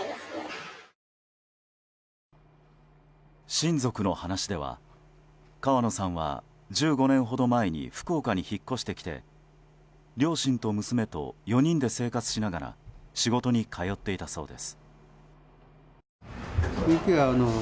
親族の話では川野さんは１５年ほど前に福岡に引っ越してきて両親と娘と４人で生活しながら仕事に通っていたそうです。